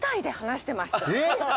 えっ？